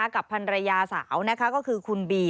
กับพันรยาสาวนะคะก็คือคุณบี